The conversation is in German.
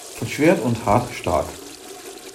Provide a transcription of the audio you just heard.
Von ‚Schwert‘ und ‚hart, stark‘.